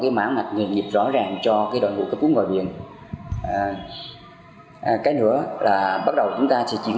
cái mã mạch nghiệp rõ ràng cho cái đội ngũ cấp cứu ngồi viện cái nữa là bắt đầu chúng ta sẽ chuyển